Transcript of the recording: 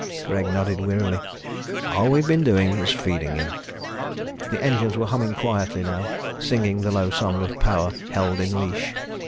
Greg nodded wearily. "All we've been doing is feeding him." The engines were humming quietly now, singing the low song of power held in leash.